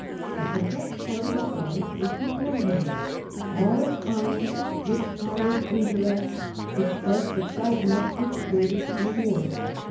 But the best part of his life was before him ; all its honour, its highest interest, its best excitement, its greatest rewards.